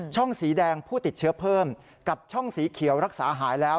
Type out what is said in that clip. สีแดงผู้ติดเชื้อเพิ่มกับช่องสีเขียวรักษาหายแล้ว